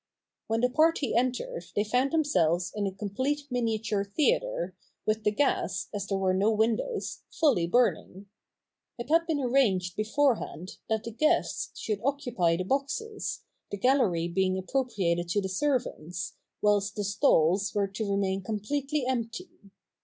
When the party entered they found themselves in a complete miniature theatre, with the gas, as there were no windows, fully burning. It had been arranged before hand that the guests should occupy the boxes, the gallery being appropriated to the servants, whilst the stalls were to remain completely empty.